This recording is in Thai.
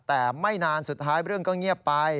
แต่ไม่นานสุดท้ายเรื่องก็เงียบไป